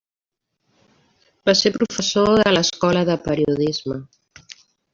Va ser professor de l'Escola de Periodisme.